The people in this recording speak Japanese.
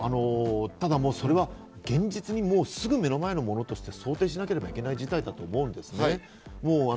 ただ、もうそれは現実にすぐ目の前のものとして想定しなければいけない事態だと思うんですね。